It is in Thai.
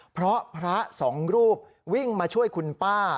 เพราะพระสองรูปวิ่งมาช่วยคุณป้า